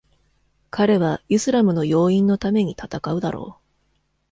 彼はイスラムの要因のために戦うだろう。